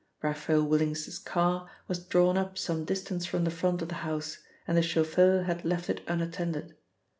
Raphael Willings's car was drawn up some distance from the front of the house, and the chauffeur had left it unattended.